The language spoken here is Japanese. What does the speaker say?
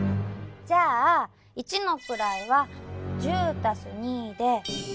じゃあ一のくらいは１０足す２で１２。